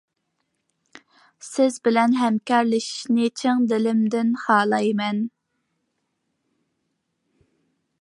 سىز بىلەن ھەمكارلىشىشنى چىن دىلىمدىن خالايمەن.